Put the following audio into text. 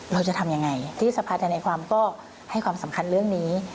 เราจะทำยังไงที่สภาธนาความก็ให้ความสำคัญเรื่องนี้